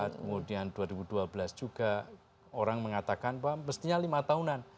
kemudian dua ribu dua belas juga orang mengatakan bahwa mestinya lima tahunan